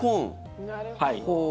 はい。